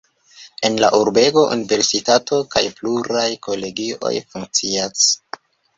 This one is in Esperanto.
En la urbego universitato kaj pluraj kolegioj funkcias.